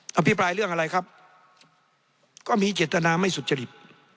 อภิปรายเรื่องอะไรครับก็มีเจตนาไม่สุจริต